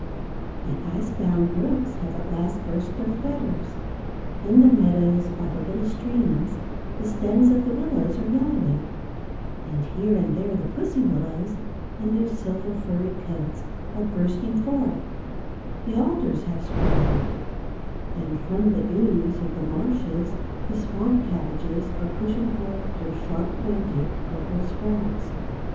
The ice bound brooks have at last burst their fetters, in the meadows by the little streams the stems of the willows are yellowing, and here and there the pussy willows, in their silver, furry coats, are bursting forth; the alders have sprouted, and from the ooze of the marshes the swamp cabbages are pushing forth their sharp pointed purple sprouts.